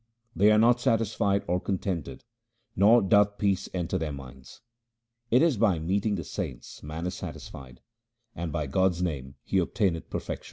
They are not satisfied or contented, nor doth peace enter their minds : it is by meeting the saints man is satisfied, and by God's name he obtaineth perfection.